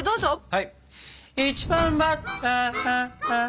はい！